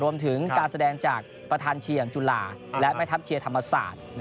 รวมถึงการแสดงจากประธานเชียร์จุฬาและแม่ทัพเชียร์ธรรมศาสตร์